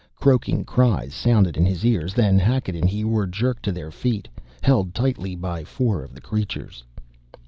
Croaking cries sounded in his ears; then, Hackett and he were jerked to their feet, held tightly by four of the creatures.